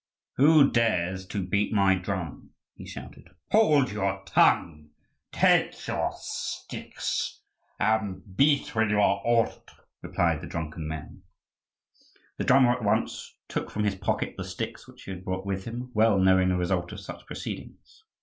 "Who dares to beat the drum?" he shouted. "Hold your tongue! take your sticks, and beat when you are ordered!" replied the drunken men. The drummer at once took from his pocket the sticks which he had brought with him, well knowing the result of such proceedings.